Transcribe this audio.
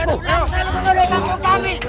saya luken dia kamu pahami